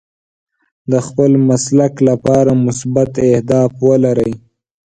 د خپل مسلک لپاره مثبت اهداف ولرئ.